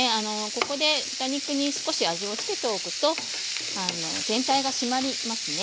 ここで豚肉に少し味をつけておくと全体が締まりますね。